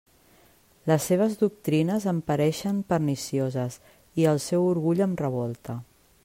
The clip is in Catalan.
Les seves doctrines em pareixen pernicioses, i el seu orgull em revolta.